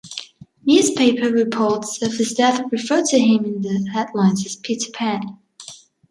Newspaper reports of his death referred to him in their headlines as "Peter Pan".